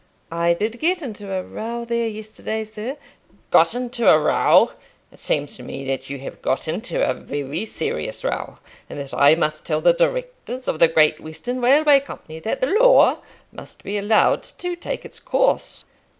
"I did get into a row there yesterday, sir." "Got into a row! It seems to me that you have got into a very serious row, and that I must tell the Directors of the Great Western Railway Company that the law must be allowed to take its course."